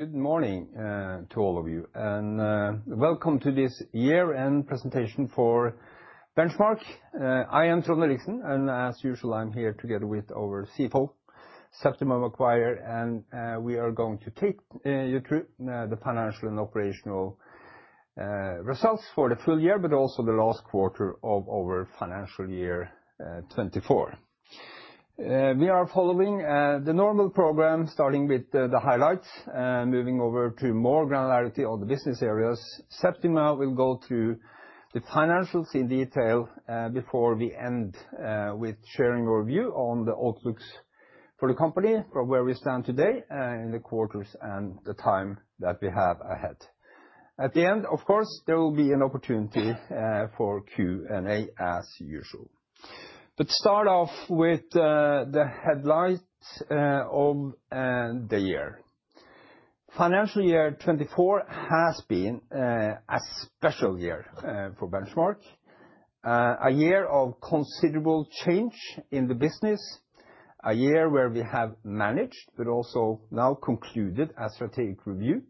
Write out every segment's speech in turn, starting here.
Good morning to all of you, and welcome to this year-end presentation for Benchmark. I am Trond Williksen, and as usual, I'm here together with our CFO, Septima Maguire, and we are going to take you through the financial and operational results for the full year, but also the last quarter of our financial year 2024. We are following the normal program, starting with the highlights, moving over to more granularity on the business areas. Septima will go through the financials in detail, before we end with sharing our view on the outlooks for the company, from where we stand today, in the quarters and the time that we have ahead. At the end, of course, there will be an opportunity for Q&A as usual. But start off with the headlines of the year. Financial year 2024 has been a special year for Benchmark. A year of considerable change in the business, a year where we have managed, but also now concluded a strategic review,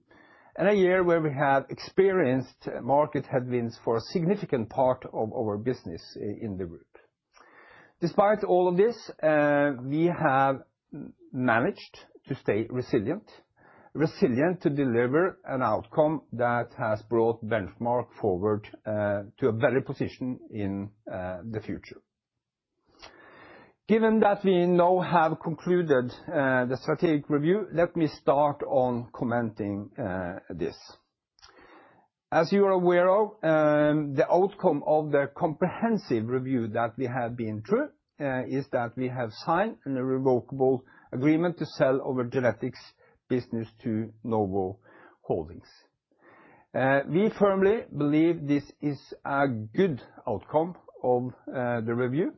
and a year where we have experienced market headwinds for a significant part of our business in the root. Despite all of this, we have managed to stay resilient to deliver an outcome that has brought Benchmark forward, to a better position in the future. Given that we now have concluded the strategic review, let me start on commenting this. As you are aware of, the outcome of the comprehensive review that we have been through is that we have signed an irrevocable agreement to sell our genetics business to Novo Holdings. We firmly believe this is a good outcome of the review.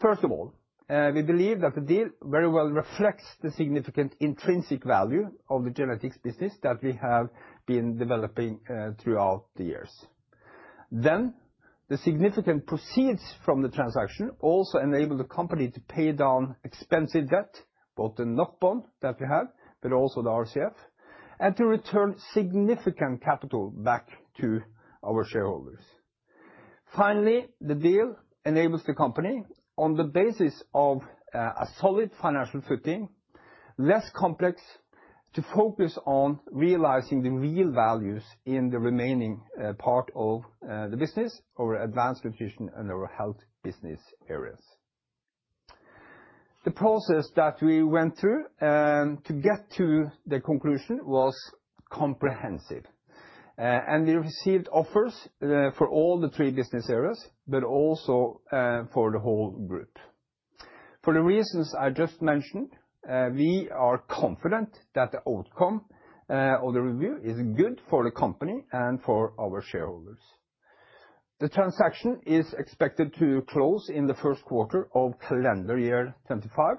First of all, we believe that the deal very well reflects the significant intrinsic value of the genetics business that we have been developing throughout the years. Then, the significant proceeds from the transaction also enable the company to pay down expensive debt, both the NOK bond that we have, but also the RCF, and to return significant capital back to our shareholders. Finally, the deal enables the company, on the basis of a solid financial footing, less complex, to focus on realizing the real values in the remaining part of the business, our advanced nutrition, and our health business areas. The process that we went through to get to the conclusion was comprehensive, and we received offers for all the three business areas, but also for the whole group. For the reasons I just mentioned, we are confident that the outcome of the review is good for the company and for our shareholders. The transaction is expected to close in the first quarter of calendar year 2025.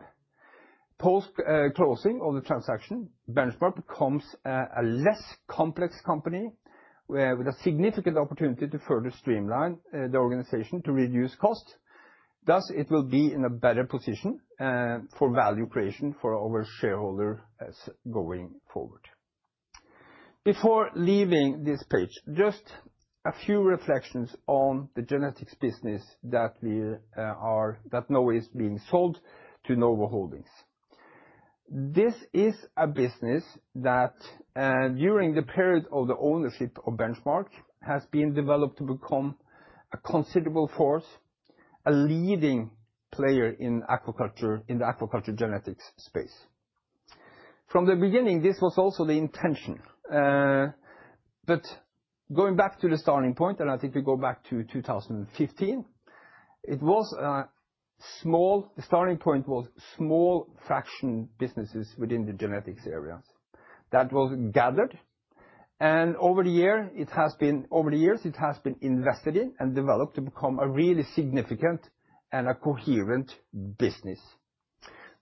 Post closing of the transaction, Benchmark becomes a less complex company with a significant opportunity to further streamline the organization to reduce costs. Thus, it will be in a better position for value creation for our shareholders going forward. Before leaving this page, just a few reflections on the genetics business that we are now is being sold to Novo Holdings. This is a business that, during the period of the ownership of Benchmark, has been developed to become a considerable force, a leading player in aquaculture, in the aquaculture genetics space. From the beginning, this was also the intention. But going back to the starting point, and I think we go back to 2015, the starting point was small fraction businesses within the genetics areas that were gathered. And over the years, it has been invested in and developed to become a really significant and a coherent business.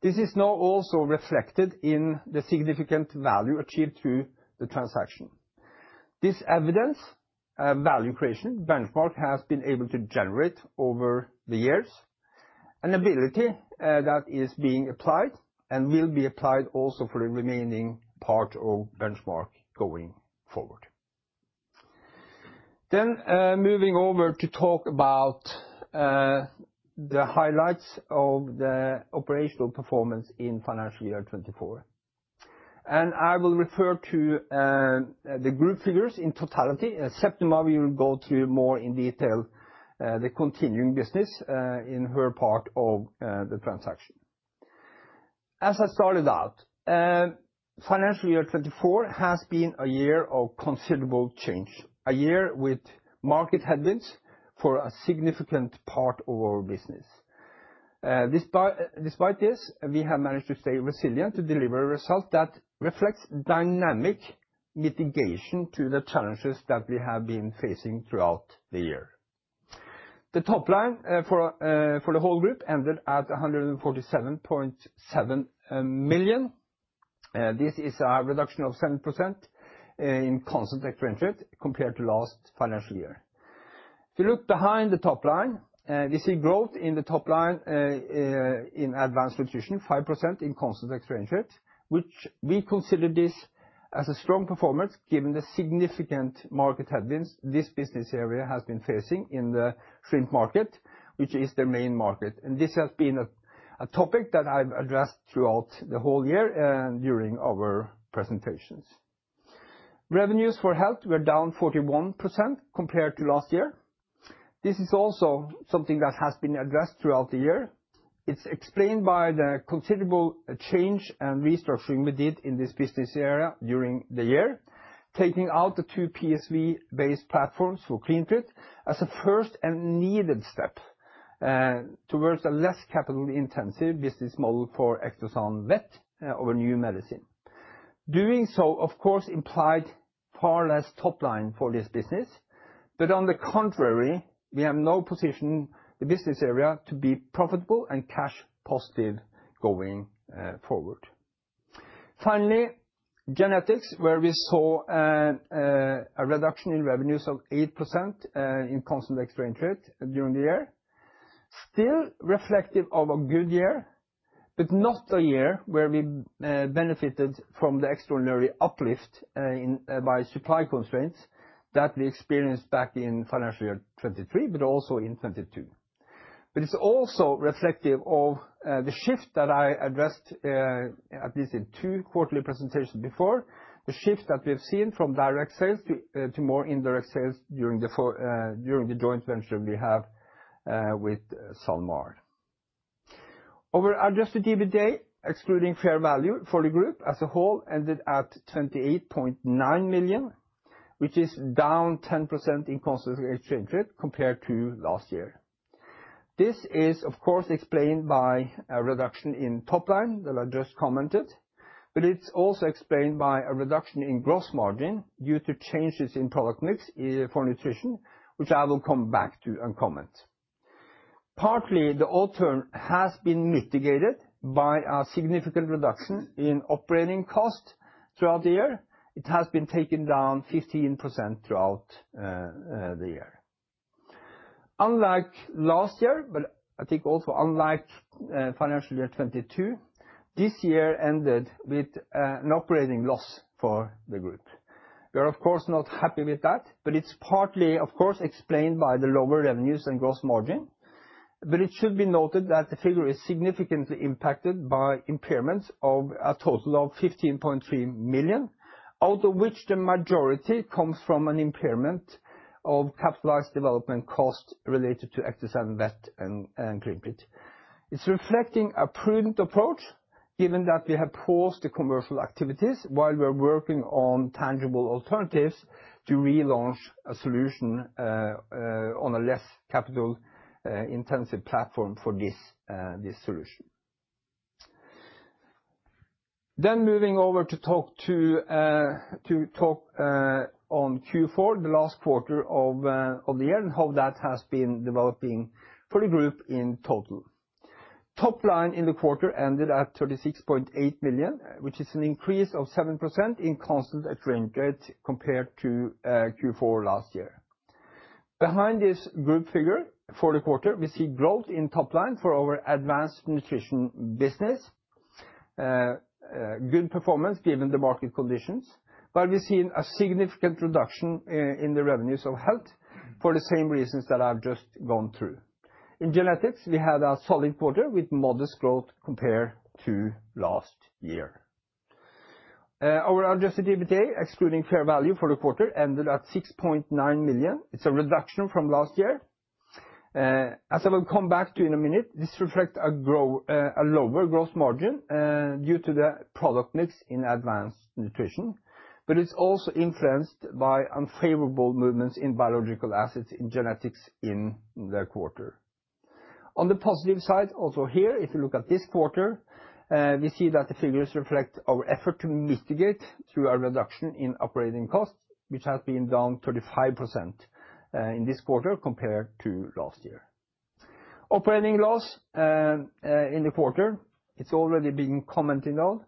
This is now also reflected in the significant value achieved through the transaction. This evidence value creation Benchmark has been able to generate over the years, an ability that is being applied and will be applied also for the remaining part of Benchmark going forward. Then moving over to talk about the highlights of the operational performance in financial year 2024. And I will refer to the group figures in totality. Septima, we will go through more in detail the continuing business in her part of the transaction. As I started out, financial year 2024 has been a year of considerable change, a year with market headwinds for a significant part of our business. Despite this, we have managed to stay resilient to deliver a result that reflects dynamic mitigation to the challenges that we have been facing throughout the year. The top line, for, for the whole group ended at 147.7 million. This is a reduction of 7% in constant exchange rate compared to last financial year. If you look behind the top line, we see growth in the top line, in advanced nutrition, 5% in constant exchange rate, which we consider this as a strong performance given the significant market headwinds this business area has been facing in the shrimp market, which is their main market. And this has been a topic that I've addressed throughout the whole year, during our presentations. Revenues for health were down 41% compared to last year. This is also something that has been addressed throughout the year. It's explained by the considerable change and restructuring we did in this business area during the year, taking out the two PSV-based platforms for CleanTreat as a first and needed step towards a less capital-intensive business model for EctoSan Vet, our new medicine. Doing so, of course, implied far less top line for this business, but on the contrary, we have now positioned the business area to be profitable and cash-positive going forward. Finally, genetics, where we saw a reduction in revenues of 8% in constant exchange rate during the year, still reflective of a good year, but not a year where we benefited from the extraordinary uplift by supply constraints that we experienced back in financial year 2023, but also in 2022. But it's also reflective of the shift that I addressed, at least in two quarterly presentations before, the shift that we've seen from direct sales to more indirect sales during the joint venture we have with SalMar. Overall, Adjusted EBITDA, excluding fair value for the group as a whole, ended at 28.9 million, which is down 10% in constant exchange rate compared to last year. This is, of course, explained by a reduction in top line that I just commented, but it's also explained by a reduction in gross margin due to changes in product mix for nutrition, which I will come back to and comment. Partly, the alternative has been mitigated by a significant reduction in operating cost throughout the year. It has been taken down 15% throughout the year. Unlike last year, but I think also unlike financial year 2022, this year ended with an operating loss for the group. We are, of course, not happy with that, but it's partly, of course, explained by the lower revenues and gross margin, but it should be noted that the figure is significantly impacted by impairments of a total of 15.3 million, out of which the majority comes from an impairment of capitalized development cost related to EctoSan Vet and CleanTreat. It's reflecting a prudent approach, given that we have paused the commercial activities while we're working on tangible alternatives to relaunch a solution on a less capital intensive platform for this solution. Then moving over to talk on Q4, the last quarter of the year and how that has been developing for the group in total. Top line in the quarter ended at 36.8 million, which is an increase of 7% in constant exchange rate compared to Q4 last year. Behind this group figure for the quarter, we see growth in top line for our advanced nutrition business, good performance given the market conditions, while we've seen a significant reduction in the revenues of health for the same reasons that I've just gone through. In genetics, we had a solid quarter with modest growth compared to last year. Our adjusted EBITDA, excluding fair value for the quarter, ended at 6.9 million. It's a reduction from last year. As I will come back to in a minute, this reflects a growth, a lower gross margin due to the product mix in advanced nutrition, but it's also influenced by unfavorable movements in biological assets in genetics in the quarter. On the positive side, also here, if you look at this quarter, we see that the figures reflect our effort to mitigate through our reduction in operating costs, which has been down 35%, in this quarter compared to last year. Operating loss in the quarter. It's already been commented on.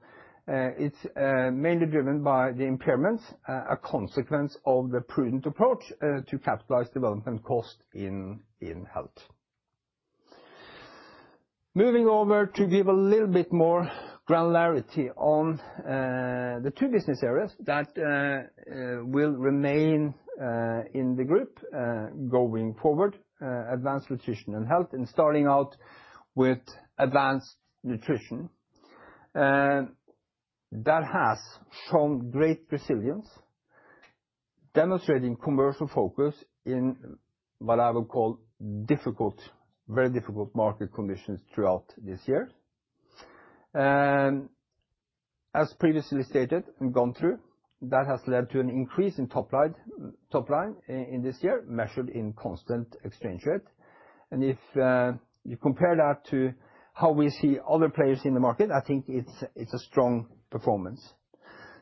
It's mainly driven by the impairments, a consequence of the prudent approach to capitalized development cost in health. Moving over to give a little bit more granularity on the two business areas that will remain in the group going forward, advanced nutrition and health, and starting out with advanced nutrition. That has shown great resilience, demonstrating commercial focus in what I will call difficult, very difficult market conditions throughout this year. As previously stated and gone through, that has led to an increase in top line, top line in this year, measured in constant exchange rate. And if you compare that to how we see other players in the market, I think it's, it's a strong performance.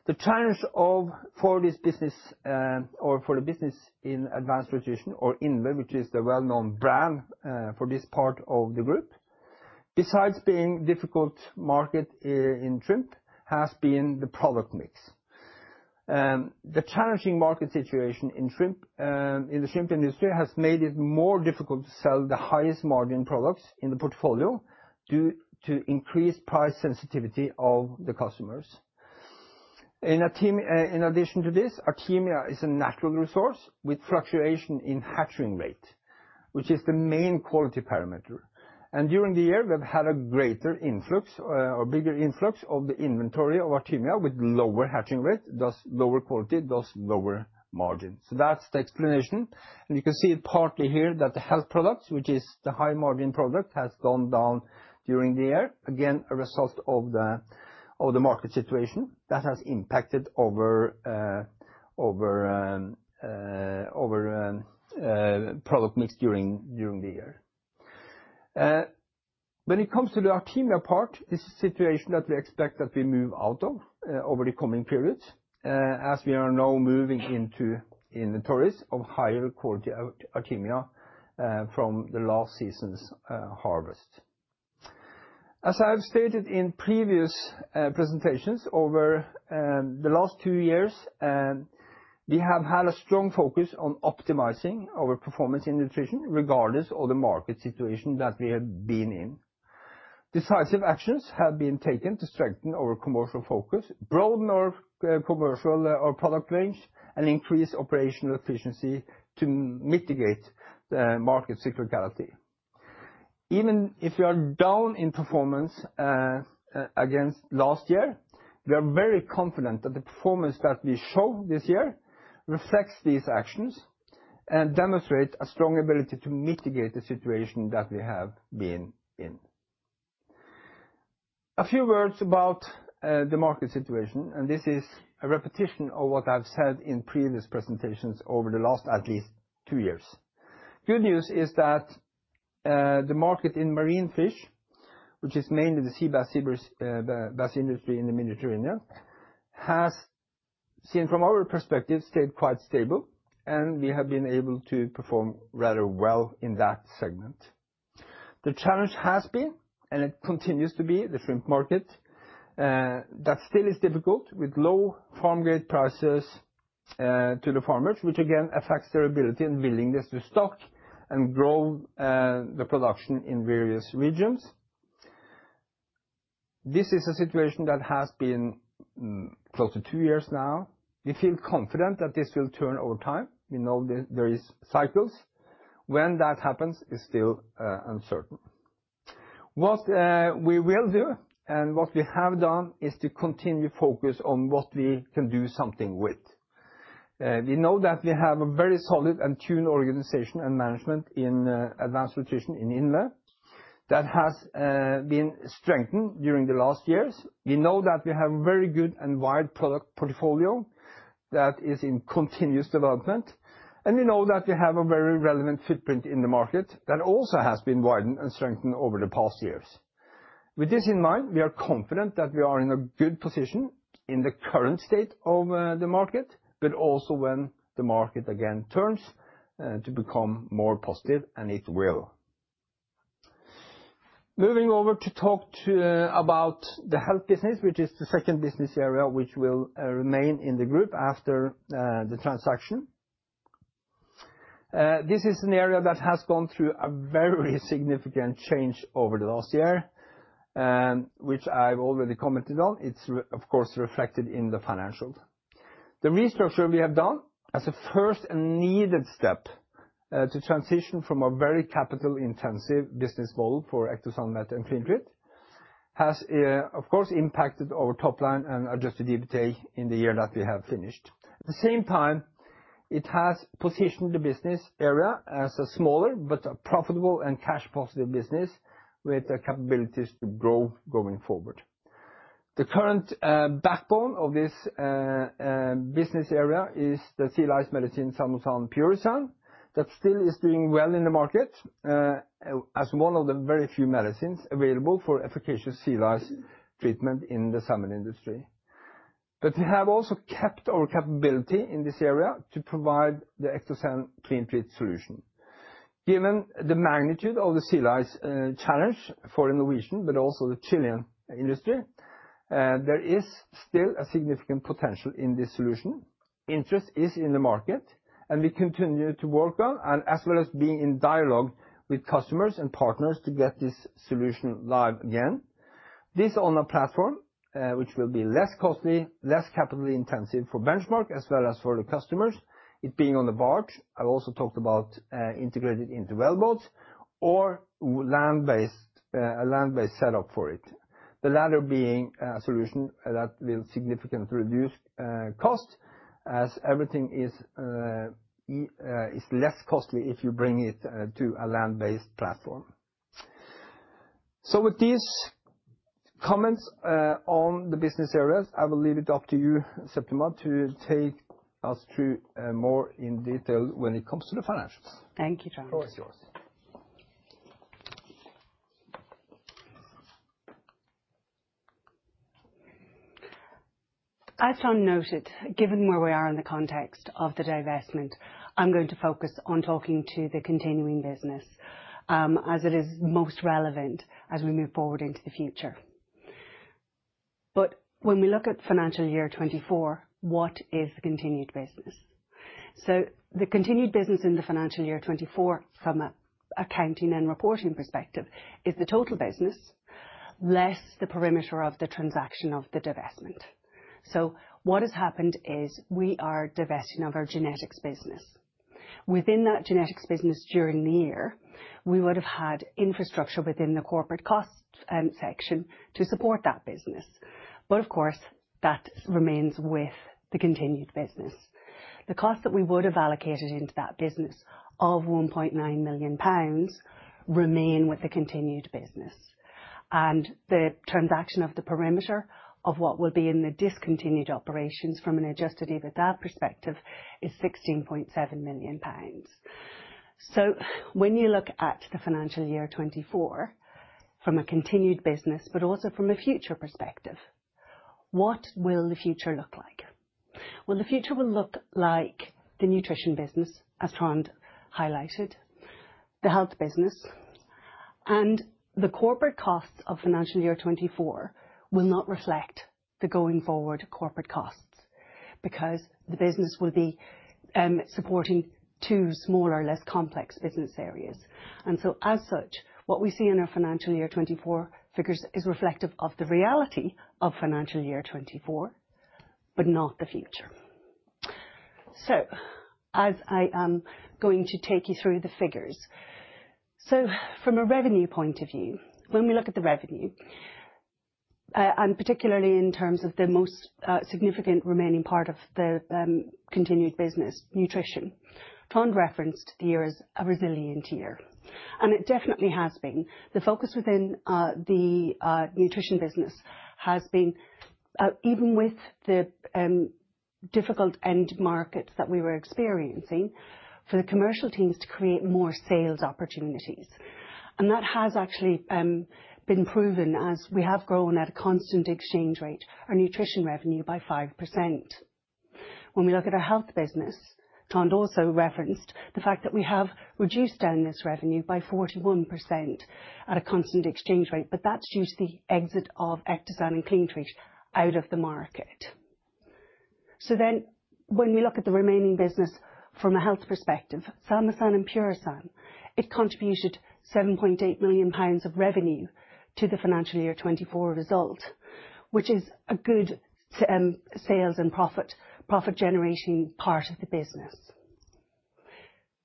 The challenge of, for this business, or for the business in advanced nutrition or INVE, which is the well-known brand, for this part of the group, besides being difficult market, in shrimp, has been the product mix. The challenging market situation in shrimp, in the shrimp industry has made it more difficult to sell the highest margin products in the portfolio due to increased price sensitivity of the customers. In addition to this, Artemia is a natural resource with fluctuation in hatching rate, which is the main quality parameter. And during the year, we've had a greater influx, or bigger influx of the inventory of Artemia with lower hatching rate, thus lower quality, thus lower margin. So that's the explanation. You can see it partly here that the health products, which is the high margin product, has gone down during the year, again, a result of the market situation that has impacted overall product mix during the year. When it comes to the Artemia part, this is a situation that we expect that we move out of, over the coming periods, as we are now moving into inventories of higher quality Artemia, from the last season's harvest. As I've stated in previous presentations over the last two years, we have had a strong focus on optimizing our performance in nutrition, regardless of the market situation that we have been in. Decisive actions have been taken to strengthen our commercial focus, broaden our commercial product range, and increase operational efficiency to mitigate the market cyclicality. Even if we are down in performance against last year, we are very confident that the performance that we show this year reflects these actions and demonstrates a strong ability to mitigate the situation that we have been in. A few words about the market situation, and this is a repetition of what I've said in previous presentations over the last at least two years. Good news is that the market in marine fish, which is mainly the sea bass, sea bass industry in the Mediterranean, has, from our perspective, stayed quite stable, and we have been able to perform rather well in that segment. The challenge has been, and it continues to be, the shrimp market that still is difficult with low farm grade prices to the farmers, which again affects their ability and willingness to stock and grow the production in various regions. This is a situation that has been close to two years now. We feel confident that this will turn over time. We know that there are cycles. When that happens is still uncertain. What we will do and what we have done is to continue focus on what we can do something with. We know that we have a very solid and tuned organization and management in Advanced Nutrition in INVE that has been strengthened during the last years. We know that we have a very good and wide product portfolio that is in continuous development, and we know that we have a very relevant footprint in the market that also has been widened and strengthened over the past years. With this in mind, we are confident that we are in a good position in the current state of the market, but also when the market again turns, to become more positive, and it will. Moving over to talk about the health business, which is the second business area which will remain in the group after the transaction. This is an area that has gone through a very significant change over the last year, which I've already commented on. It's of course, reflected in the financials. The restructure we have done as a first and needed step, to transition from a very capital-intensive business model for EctoSan Vet and CleanTreat has of course, impacted our top line and Adjusted EBITDA in the year that we have finished. At the same time, it has positioned the business area as a smaller but profitable and cash-positive business with the capabilities to grow going forward. The current backbone of this business area is the sea lice medicine Salmosan, Purisan that still is doing well in the market, as one of the very few medicines available for efficacious sea lice treatment in the salmon industry. But we have also kept our capability in this area to provide the EctoSan CleanTreat solution. Given the magnitude of the sea lice challenge for the Norwegian, but also the Chilean industry, there is still a significant potential in this solution. Interest is in the market, and we continue to work on, and as well as being in dialogue with customers and partners to get this solution live again. This on a platform, which will be less costly, less capital-intensive for Benchmark as well as for the customers, it being on the barge. I've also talked about, integrated into wellboat or land-based, a land-based setup for it. The latter being a solution that will significantly reduce cost as everything is less costly if you bring it to a land-based platform. So with these comments on the business areas, I will leave it up to you, Septima, to take us through more in detail when it comes to the financials. Thank you, Trond. The floor is yours. As noted, given where we are in the context of the divestment, I'm going to focus on talking to the continuing business, as it is most relevant as we move forward into the future. But when we look at financial year 2024, what is the continued business? The continued business in the financial year 2024, from an accounting and reporting perspective, is the total business less the perimeter of the transaction of the divestment. What has happened is we are divesting of our genetics business. Within that genetics business during the year, we would have had infrastructure within the corporate cost section to support that business. But of course, that remains with the continued business. The cost that we would have allocated into that business of 1.9 million pounds remain with the continued business. And the perimeter of what will be in the discontinued operations from an Adjusted EBITDA perspective is 16.7 million pounds. When you look at the financial year 2024 from a continued business, but also from a future perspective, what will the future look like? The future will look like the nutrition business, as Trond highlighted, the health business, and the corporate costs of financial year 2024 will not reflect the going forward corporate costs because the business will be supporting two smaller, less complex business areas. As such, what we see in our financial year 2024 figures is reflective of the reality of financial year 2024, but not the future. I am going to take you through the figures. From a revenue point of view, when we look at the revenue, and particularly in terms of the most significant remaining part of the continued business, nutrition, Trond referenced the year as a resilient year. It definitely has been. The focus within the nutrition business has been, even with the difficult end markets that we were experiencing, for the commercial teams to create more sales opportunities. That has actually been proven as we have grown at a constant exchange rate our nutrition revenue by 5%. When we look at our health business, Trond also referenced the fact that we have reduced down this revenue by 41% at a constant exchange rate, but that's due to the exit of EctoSan and CleanTreat out of the market. When we look at the remaining business from a health perspective, Salmosan and Purisan, it contributed 7.8 million pounds of revenue to the financial year 2024 result, which is a good sales and profit, profit-generating part of the business.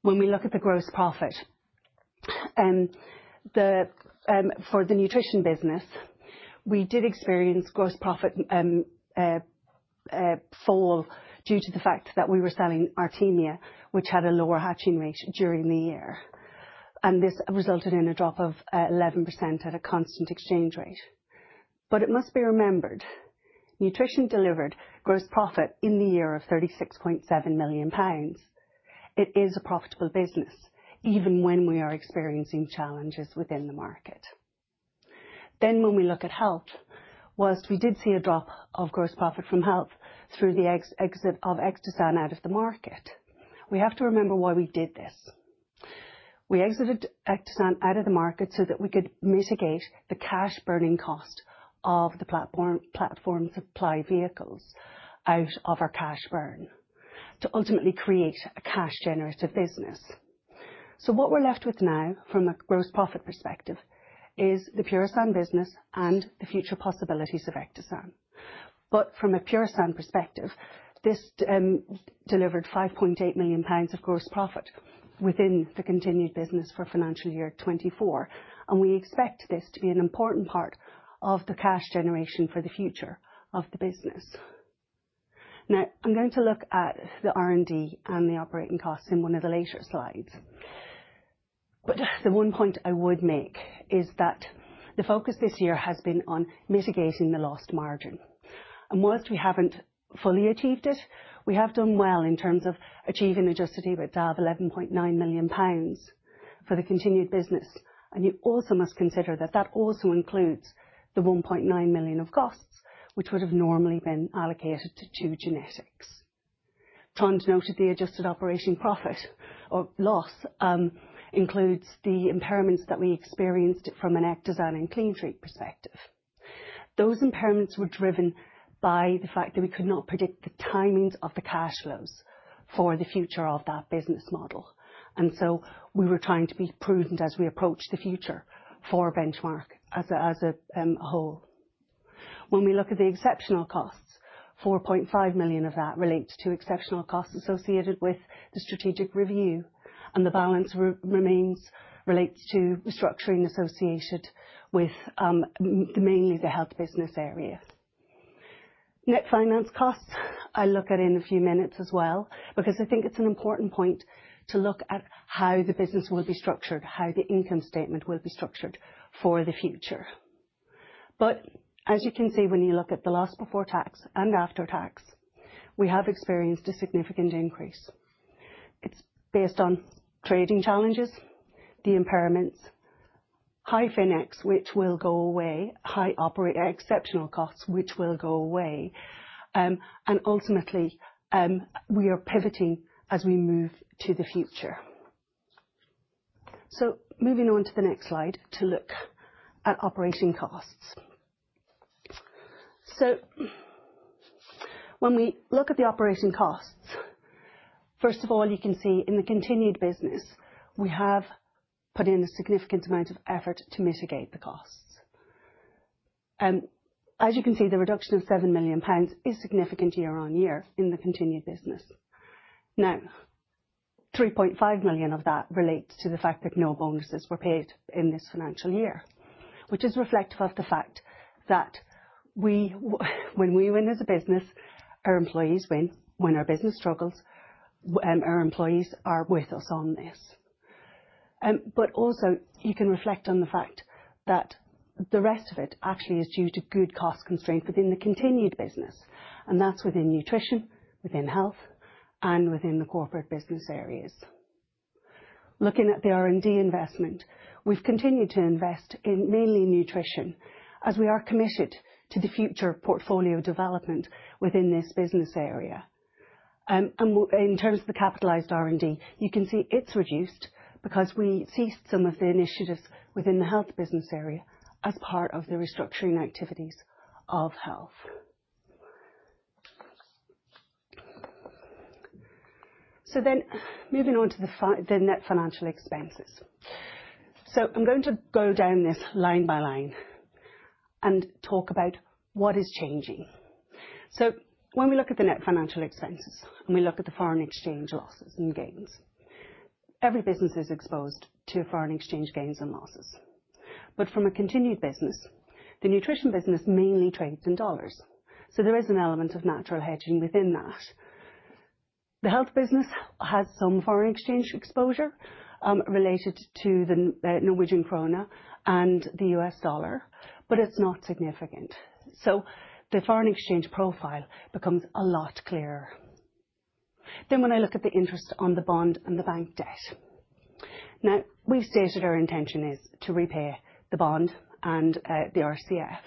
When we look at the gross profit for the nutrition business, we did experience gross profit fall due to the fact that we were selling Artemia, which had a lower hatching rate during the year. This resulted in a drop of 11% at a constant exchange rate. It must be remembered, nutrition delivered gross profit in the year of 36.7 million pounds. It is a profitable business even when we are experiencing challenges within the market. When we look at health, whilst we did see a drop of gross profit from health through the exit of EctoSan out of the market, we have to remember why we did this. We exited EctoSan out of the market so that we could mitigate the cash burning cost of the platform supply vehicles out of our cash burn to ultimately create a cash-generative business. So what we're left with now from a gross profit perspective is the Purisan business and the future possibilities of EctoSan. But from a Purisan perspective, this delivered 5.8 million pounds of gross profit within the continued business for financial year 2024. We expect this to be an important part of the cash generation for the future of the business. Now, I'm going to look at the R&D and the operating costs in one of the later slides. But the one point I would make is that the focus this year has been on mitigating the lost margin. Whilst we haven't fully achieved it, we have done well in terms of achieving Adjusted EBITDA of 11.9 million pounds for the continued business. You also must consider that that also includes the 1.9 million of costs, which would have normally been allocated to genetics. Trond noted that the adjusted operating profit or loss includes the impairments that we experienced from an EctoSan and CleanTreat perspective. Those impairments were driven by the fact that we could not predict the timings of the cash flows for the future of that business model. We were trying to be prudent as we approached the future for Benchmark as a whole. When we look at the exceptional costs, 4.5 million of that relates to exceptional costs associated with the strategic review, and the balance of it relates to restructuring associated with, mainly the health business area. Net finance costs I'll look at in a few minutes as well, because I think it's an important point to look at how the business will be structured, how the income statement will be structured for the future. But as you can see, when you look at the loss before tax and after tax, we have experienced a significant increase. It's based on trading challenges, the impairments, high finance costs, which will go away, high operating exceptional costs, which will go away. Ultimately, we are pivoting as we move to the future. Moving on to the next slide to look at operating costs. When we look at the operating costs, first of all, you can see in the continued business, we have put in a significant amount of effort to mitigate the costs. And as you can see, the reduction of 7 million pounds is significant year on year in the continued business. Now, 3.5 million of that relates to the fact that no bonuses were paid in this financial year, which is reflective of the fact that we, when we win as a business, our employees win. When our business struggles, our employees are with us on this. But also you can reflect on the fact that the rest of it actually is due to good cost constraints within the continued business, and that's within nutrition, within health, and within the corporate business areas. Looking at the R&D investment, we've continued to invest in mainly nutrition as we are committed to the future portfolio development within this business area. And in terms of the capitalized R&D, you can see it's reduced because we ceased some of the initiatives within the health business area as part of the restructuring activities of health. So then moving on to the net financial expenses. So I'm going to go down this line by line and talk about what is changing. So when we look at the net financial expenses and we look at the foreign exchange losses and gains, every business is exposed to foreign exchange gains and losses. But from a continued business, the nutrition business mainly trades in dollars. So there is an element of natural hedging within that. The health business has some foreign exchange exposure related to the Norwegian krone and the US dollar, but it's not significant, so the foreign exchange profile becomes a lot clearer, then when I look at the interest on the bond and the bank debt, now we've stated our intention is to repay the bond and the RCF,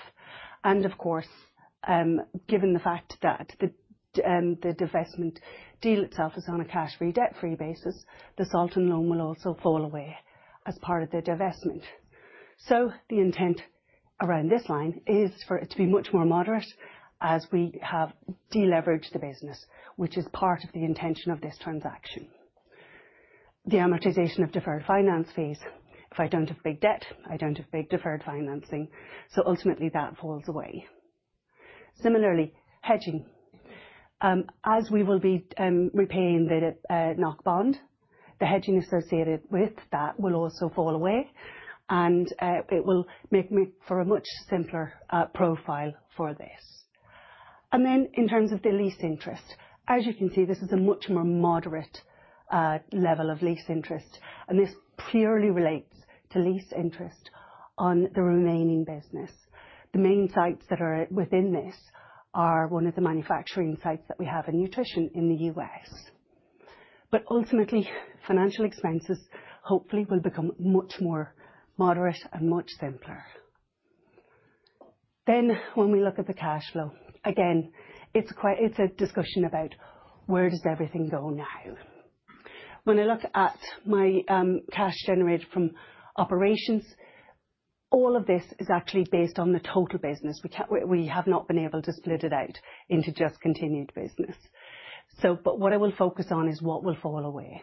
and of course, given the fact that the divestment deal itself is on a cash-free, debt-free basis, the seller loan will also fall away as part of the divestment, so the intent around this line is for it to be much more moderate as we have deleveraged the business, which is part of the intention of this transaction. The amortization of deferred finance fees, if I don't have big debt, I don't have big deferred financing, so ultimately that falls away. Similarly, hedging, as we will be repaying the knock bond, the hedging associated with that will also fall away. And it will make for a much simpler profile for this. And then in terms of the lease interest, as you can see, this is a much more moderate level of lease interest. And this purely relates to lease interest on the remaining business. The main sites that are within this are one of the manufacturing sites that we have in nutrition in the U.S. But ultimately, financial expenses hopefully will become much more moderate and much simpler. Then when we look at the cash flow, again, it's quite a discussion about where does everything go now. When I look at my cash generated from operations, all of this is actually based on the total business. We can. We have not been able to split it out into just continued business. So but what I will focus on is what will fall away.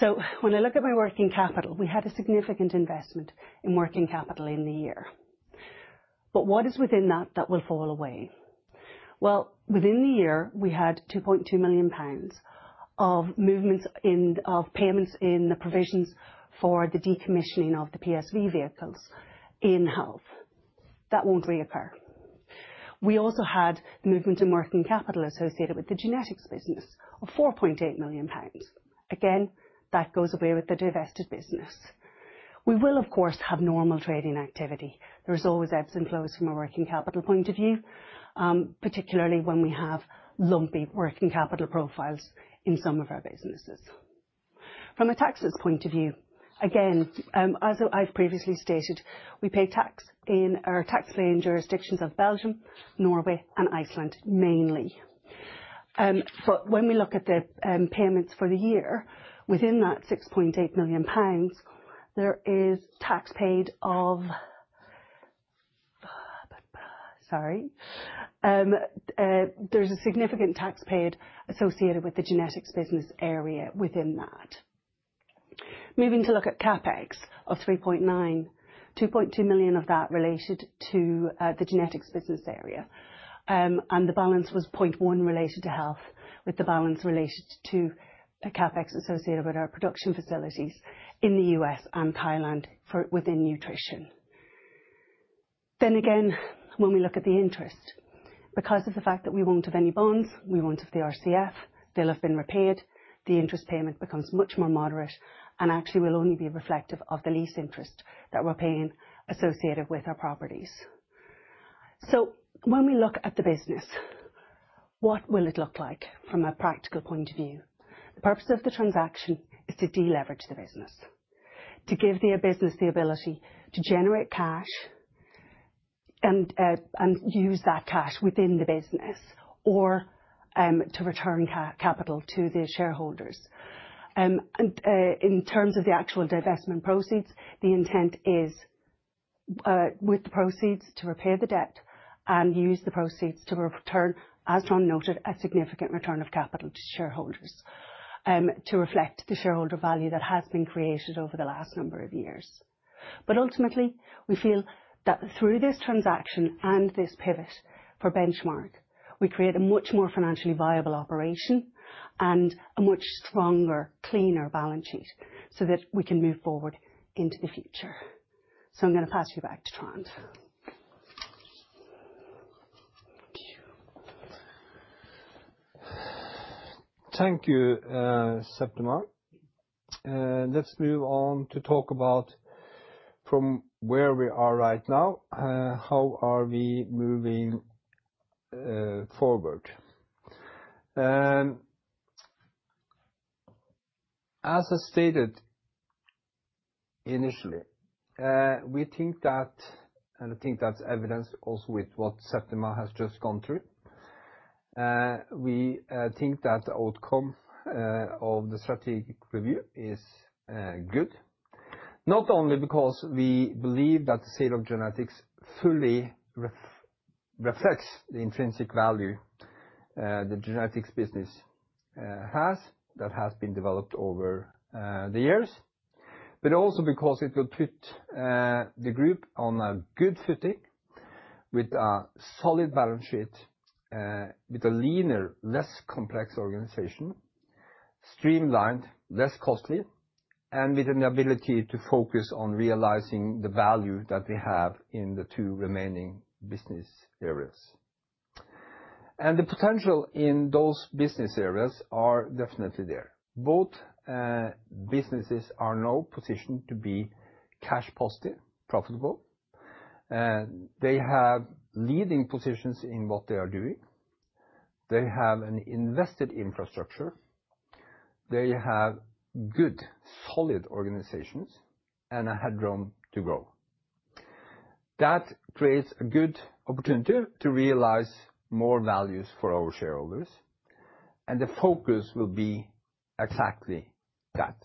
So when I look at my working capital, we had a significant investment in working capital in the year. But what is within that that will fall away? Well, within the year, we had 2.2 million pounds of movements in payments in the provisions for the decommissioning of the PSV [vessels] in health. That won't reoccur. We also had the movement in working capital associated with the genetics business of 4.8 million pounds. Again, that goes away with the divested business. We will, of course, have normal trading activity. There is always ebbs and flows from a working capital point of view, particularly when we have lumpy working capital profiles in some of our businesses. From a tax point of view, again, as I've previously stated, we pay tax in our tax-paying jurisdictions of Belgium, Norway, and Iceland mainly, but when we look at the payments for the year within that 6.8 million pounds, there is tax paid. Sorry, there's a significant tax paid associated with the genetics business area within that. Moving to look at CapEx of 3.9 million, 2.2 million of that related to the genetics business area, and the balance was 0.1 million related to health with the balance related to CapEx associated with our production facilities in the U.S. and Thailand for within nutrition. Then again, when we look at the interest, because of the fact that we won't have any bonds, we won't have the RCF, they'll have been repaid, the interest payment becomes much more moderate and actually will only be reflective of the lease interest that we're paying associated with our properties. So when we look at the business, what will it look like from a practical point of view? The purpose of the transaction is to deleverage the business, to give the business the ability to generate cash and use that cash within the business or to return capital to the shareholders. And, in terms of the actual divestment proceeds, the intent is, with the proceeds to repay the debt and use the proceeds to return, as Trond noted, a significant return of capital to shareholders, to reflect the shareholder value that has been created over the last number of years. But ultimately, we feel that through this transaction and this pivot for Benchmark, we create a much more financially viable operation and a much stronger, cleaner balance sheet so that we can move forward into the future. So I'm going to pass you back to Trond. Thank you, Septima. Let's move on to talk about from where we are right now, how are we moving forward. As I stated initially, we think that and I think that's evidenced also with what Septima has just gone through, we think that the outcome of the strategic review is good, not only because we believe that the sale of genetics fully reflects the intrinsic value the genetics business has that has been developed over the years, but also because it will put the group on a good footing with a solid balance sheet, with a leaner, less complex organization, streamlined, less costly, and with an ability to focus on realizing the value that we have in the two remaining business areas. And the potential in those business areas are definitely there. Both businesses are now positioned to be cash positive, profitable. They have leading positions in what they are doing. They have an invested infrastructure. They have good, solid organizations and a headroom to grow. That creates a good opportunity to realize more values for our shareholders. And the focus will be exactly that.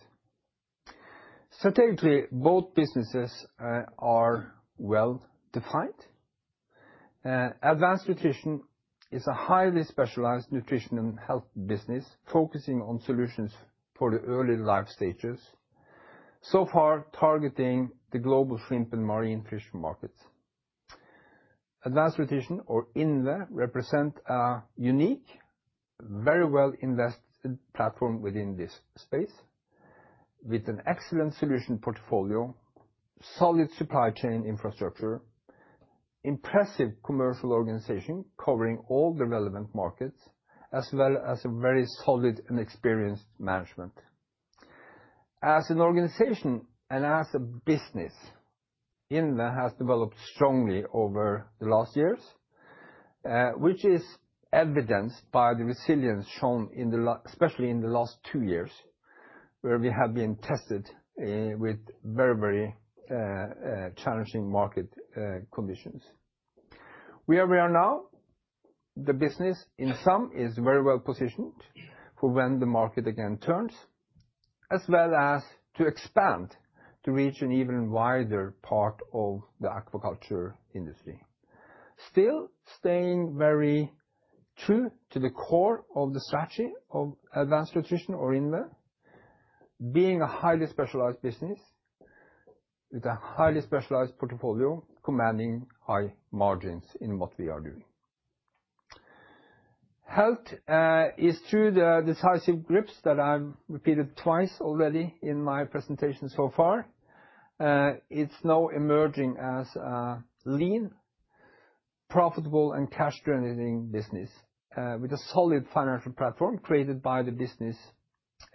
Strategically, both businesses are well defined. Advanced Nutrition is a highly specialized nutrition and health business focusing on solutions for the early life stages. So far, targeting the global shrimp and marine fish markets. Advanced Nutrition or INVE represent a unique, very well invested platform within this space with an excellent solution portfolio, solid supply chain infrastructure, impressive commercial organization covering all the relevant markets, as well as a very solid and experienced management. As an organization and as a business, INVE has developed strongly over the last years, which is evidenced by the resilience shown in the, especially in the last two years, where we have been tested with very, very challenging market conditions. Where we are now, the business in sum is very well positioned for when the market again turns, as well as to expand to reach an even wider part of the aquaculture industry. Still staying very true to the core of the strategy of Advanced Nutrition or INVE, being a highly specialized business with a highly specialized portfolio commanding high margins in what we are doing. Health is through the decisive steps that I've repeated twice already in my presentation so far. It's now emerging as a lean, profitable, and cash-generating business, with a solid financial platform created by the business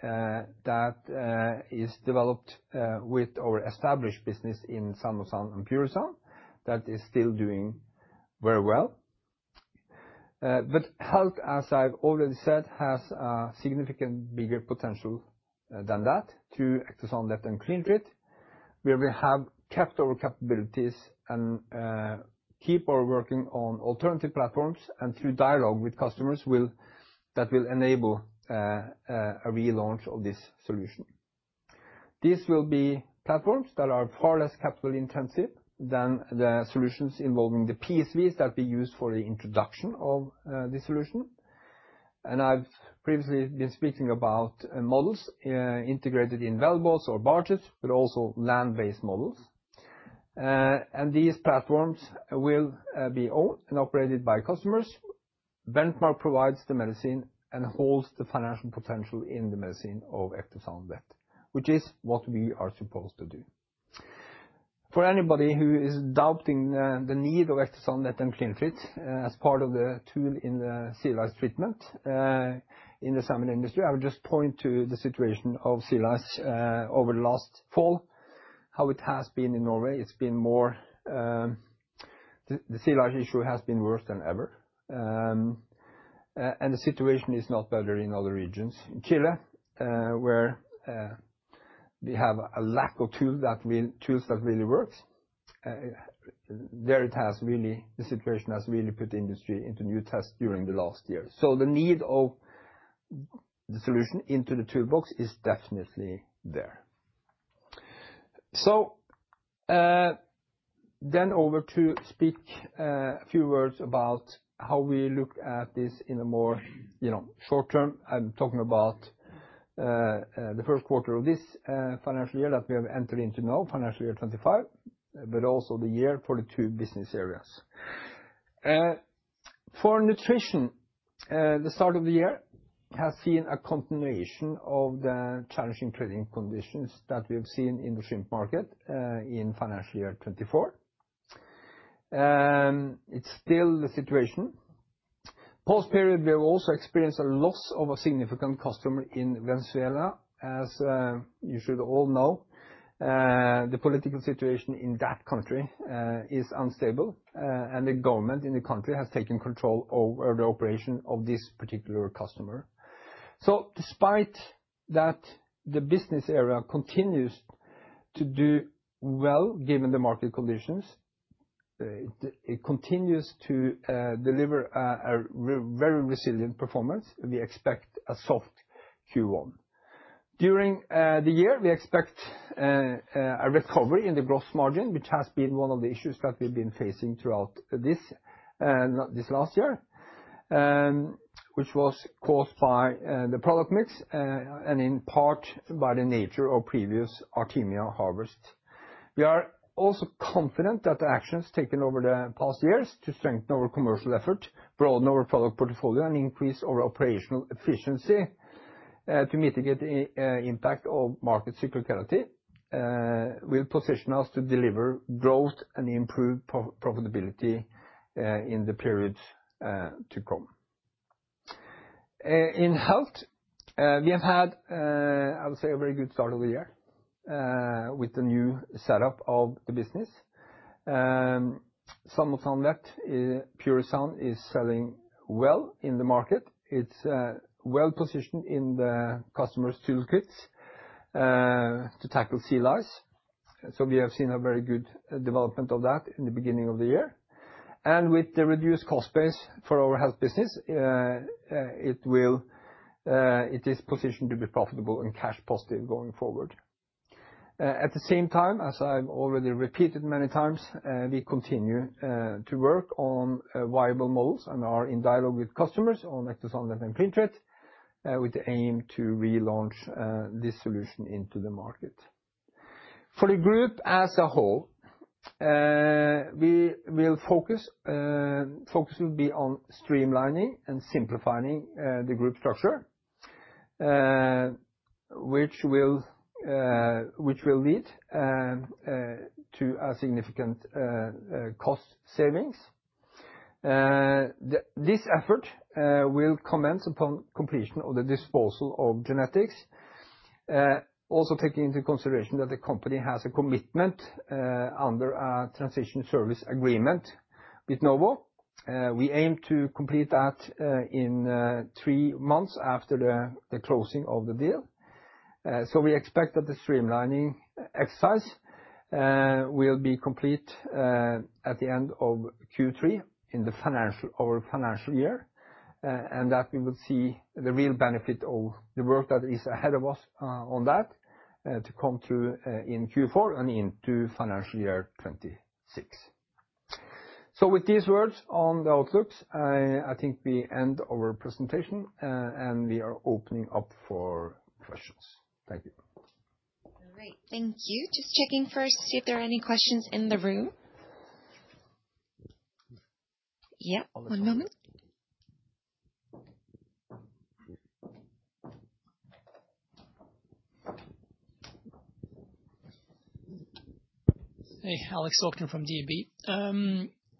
that is developed with our established business in Salmosan and Purisan that is still doing very well. But health, as I've already said, has a significant bigger potential than that through EctoSan Vet and CleanTreat, where we have kept our capabilities and keep on working on alternative platforms and through dialogue with customers will that will enable a relaunch of this solution. These will be platforms that are far less capital intensive than the solutions involving the PSVs that we use for the introduction of the solution. And I've previously been speaking about models integrated in wellboats or barges, but also land-based models. And these platforms will be owned and operated by customers. Benchmark provides the medicine and holds the financial potential in the medicine of EctoSan Vet, which is what we are supposed to do. For anybody who is doubting the need of EctoSan Vet and CleanTreat as part of the tool in the sea lice treatment, in the salmon industry, I would just point to the situation of sea lice, over the last fall, how it has been in Norway. It's been the sea lice issue has been worse than ever. And the situation is not better in other regions. In Chile, where we have a lack of tools that really work, there the situation has really put the industry into new tests during the last year. So the need of the solution into the toolbox is definitely there. So, then over to speak, a few words about how we look at this in a more, you know, short term. I'm talking about the first quarter of this financial year that we have entered into now, financial year 2025, but also the year for the two business areas. For nutrition, the start of the year has seen a continuation of the challenging trading conditions that we have seen in the shrimp market, in financial year 2024. It's still the situation. Post-period, we have also experienced a loss of a significant customer in Venezuela, as you should all know. The political situation in that country is unstable, and the government in the country has taken control over the operation of this particular customer, so despite that, the business area continues to do well given the market conditions. It continues to deliver a very resilient performance. We expect a soft Q1. During the year, we expect a recovery in the gross margin, which has been one of the issues that we've been facing throughout this, not this last year, which was caused by the product mix, and in part by the nature of previous Artemia harvest. We are also confident that the actions taken over the past years to strengthen our commercial effort, broaden our product portfolio, and increase our operational efficiency, to mitigate the impact of market cyclicality, will position us to deliver growth and improve profitability in the period to come. In health, we have had, I would say, a very good start of the year with the new setup of the business. Salmosan, EctoSan Vet and Purisan is selling well in the market. It's well positioned in the customer's tool kits to tackle sea lice. So we have seen a very good development of that in the beginning of the year. And with the reduced cost base for our health business, it will, it is positioned to be profitable and cash positive going forward. At the same time, as I've already repeated many times, we continue to work on viable models and are in dialogue with customers on EctoSan Vet and CleanTreat, with the aim to relaunch this solution into the market. For the group as a whole, we will focus, focus will be on streamlining and simplifying the group structure, which will, which will lead to a significant cost savings. This effort will commence upon completion of the disposal of genetics, also taking into consideration that the company has a commitment under a Transition Services Agreement with Novo. We aim to complete that in three months after the closing of the deal. So we expect that the streamlining exercise will be complete at the end of Q3 in our financial year, and that we will see the real benefit of the work that is ahead of us on that to come through in Q4 and into financial year 2026. So with these words on the outlooks, I, I think we end our presentation, and we are opening up for questions. Thank you. All right. Thank you. Just checking first to see if there are any questions in the room. Yep. One moment. Hey, Alex Sorokin from DB.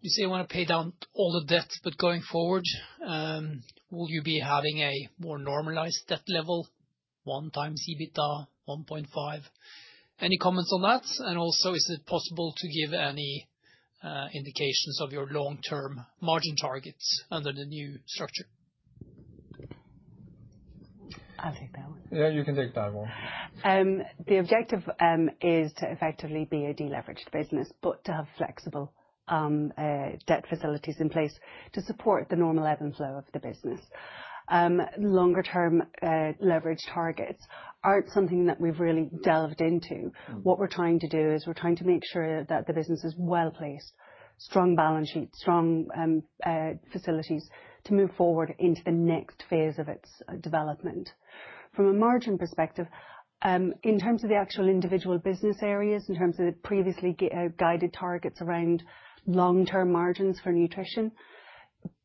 You say you want to pay down all the debt, but going forward, will you be having a more normalized debt level, one times EBITDA, 1.5? Any comments on that? And also, is it possible to give any indications of your long-term margin targets under the new structure? I'll take that one. Yeah, you can take that one. The objective is to effectively be a deleveraged business, but to have flexible debt facilities in place to support the normal ebb and flow of the business. Longer-term, leverage targets aren't something that we've really delved into. What we're trying to do is we're trying to make sure that the business is well placed, strong balance sheet, strong facilities to move forward into the next phase of its development. From a margin perspective, in terms of the actual individual business areas, in terms of the previously guided targets around long-term margins for nutrition,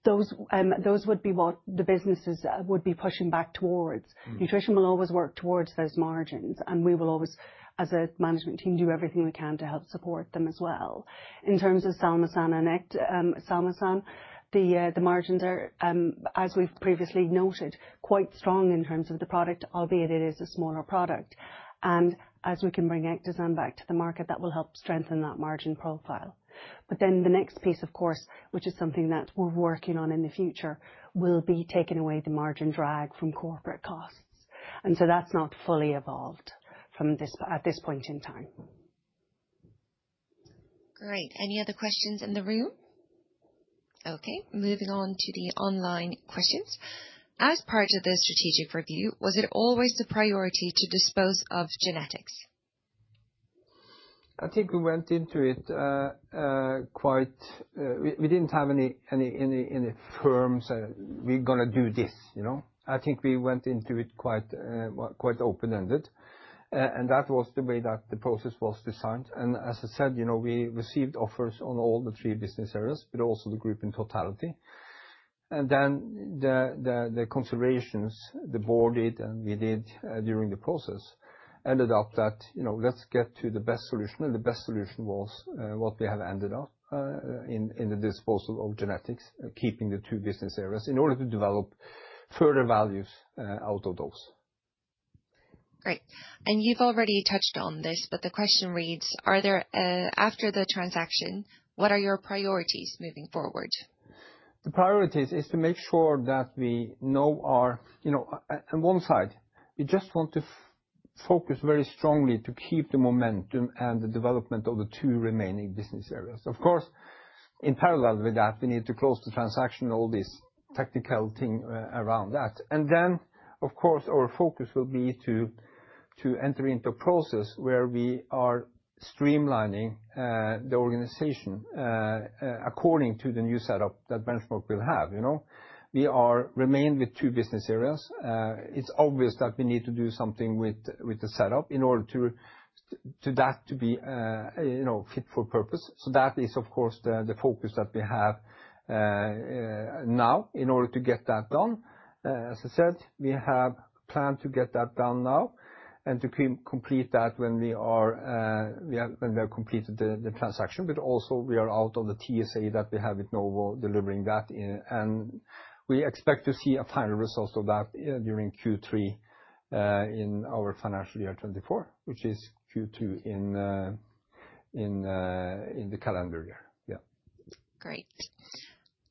those, those would be what the businesses would be pushing back towards. Nutrition will always work towards those margins, and we will always, as a management team, do everything we can to help support them as well. In terms of Salmosan and EctoSan, Salmosan, the margins are, as we've previously noted, quite strong in terms of the product, albeit it is a smaller product, and as we can bring EctoSan back to the market, that will help strengthen that margin profile, but then the next piece, of course, which is something that we're working on in the future, will be taking away the margin drag from corporate costs, and so that's not fully evolved from this, at this point in time. Great. Any other questions in the room? Okay. Moving on to the online questions. As part of the strategic review, was it always the priority to dispose of genetics? I think we went into it quite, we didn't have any firm saying, "We're going to do this," you know? I think we went into it quite open-ended. And that was the way that the process was designed. And as I said, you know, we received offers on all the three business areas, but also the group in totality. And then the considerations the board did and we did during the process ended up that, you know, let's get to the best solution. And the best solution was what we have ended up in the disposal of genetics, keeping the two business areas in order to develop further values out of those. Great. And you've already touched on this, but the question reads, are there, after the transaction, what are your priorities moving forward? The priorities is to make sure that we know our, you know, on one side, we just want to focus very strongly to keep the momentum and the development of the two remaining business areas. Of course, in parallel with that, we need to close the transaction and all this technical thing around that. And then, of course, our focus will be to, to enter into a process where we are streamlining, the organization, according to the new setup that Benchmark will have, you know? We are remained with two business areas. It's obvious that we need to do something with, with the setup in order to, to that to be, you know, fit for purpose. So that is, of course, the, the focus that we have, now in order to get that done. As I said, we have planned to get that done now and to complete that when we are, when we have completed the, the transaction, but also we are out of the TSA that we have with Novo delivering that in. And we expect to see a final result of that during Q3 in our financial year 2024, which is Q2 in the calendar year. Yeah. Great.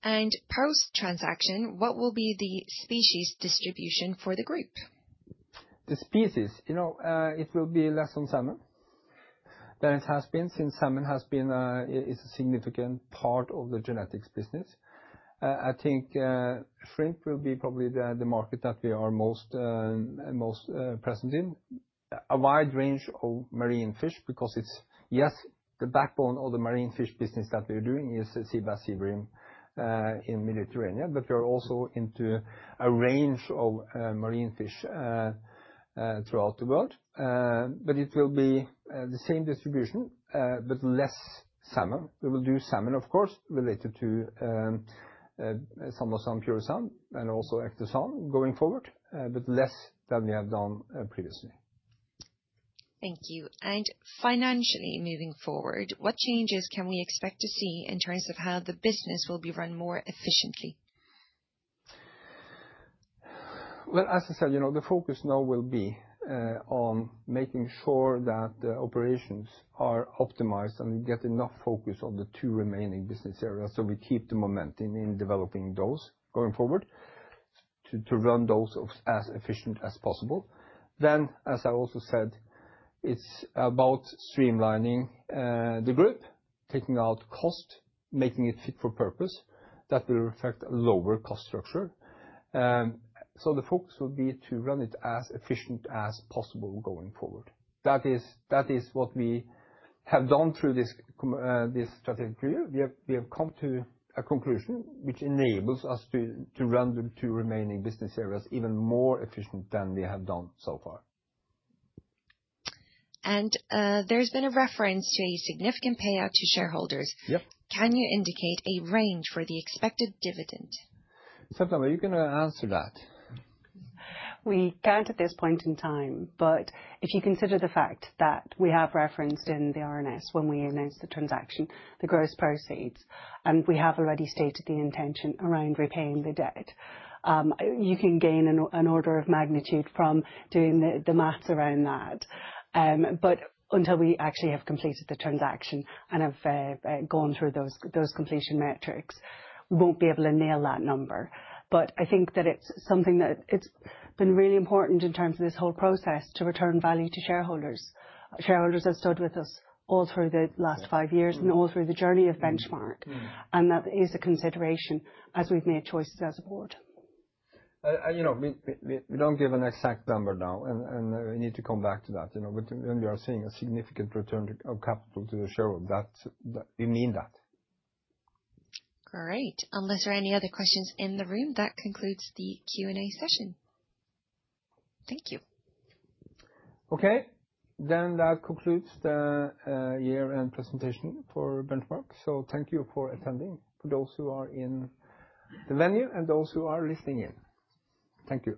And post-transaction, what will be the species distribution for the group? The species, you know, it will be less salmon than it has been since salmon is a significant part of the genetics business. I think shrimp will be probably the market that we are most present in. A wide range of marine fish because it's yes the backbone of the marine fish business that we're doing is sea bass, sea bream in the Mediterranean, but we are also into a range of marine fish throughout the world. But it will be the same distribution, but less salmon. We will do salmon, of course, related to Salmosan, Purisan, and also EctoSan Vet going forward, but less than we have done previously. Thank you. And financially, moving forward, what changes can we expect to see in terms of how the business will be run more efficiently? Well, as I said, you know, the focus now will be on making sure that the operations are optimized and we get enough focus on the two remaining business areas so we keep the momentum in developing those going forward to run those as efficient as possible. Then, as I also said, it's about streamlining the group, taking out cost, making it fit for purpose that will affect a lower cost structure, so the focus will be to run it as efficient as possible going forward. That is what we have done through this strategic review. We have come to a conclusion which enables us to run the two remaining business areas even more efficient than we have done so far. There's been a reference to a significant payout to shareholders. Yep. Can you indicate a range for the expected dividend? Septima, you can answer that. We can't at this point in time, but if you consider the fact that we have referenced in the RNS when we announced the transaction, the gross proceeds, and we have already stated the intention around repaying the debt, you can gain an order of magnitude from doing the math around that. But until we actually have completed the transaction and have gone through those completion metrics, we won't be able to nail that number. But I think that it's something that it's been really important in terms of this whole process to return value to shareholders. Shareholders have stood with us all through the last five years and all through the journey of Benchmark. And that is a consideration as we've made choices as a board. You know, we don't give an exact number now, and we need to come back to that, you know, but when we are seeing a significant return of capital to the shareholder, that's, we mean that. Great. Unless there are any other questions in the room, that concludes the Q&A session. Thank you. Okay. Then that concludes the year-end presentation for Benchmark. So thank you for attending for those who are in the venue and those who are listening in. Thank you.